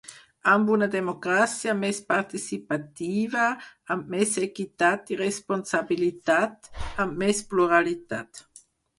Amb una democràcia més participativa, amb més equitat i responsabilitat, amb més pluralitat.